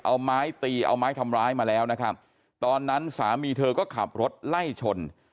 เอาไม้ตีเอาไม้ทำร้ายมาแล้วนะครับตอนนั้นสามีเธอก็ขับรถไล่ชน